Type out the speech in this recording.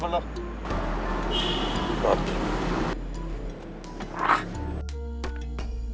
dan lu akan kehabisan semua